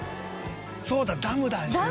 「そうだダムだ良純さん」